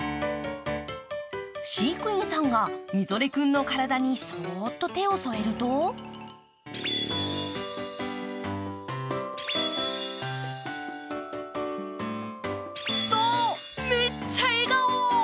飼育員さんがミゾレ君の体にそっと手を添えるとそう、めっちゃ笑顔！